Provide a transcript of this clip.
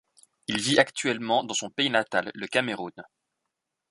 Il vit actuellement dans son pays natal, le Cameroun.